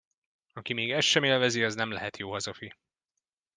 Aki még ezt sem élvezi, az nem lehet jó hazafi!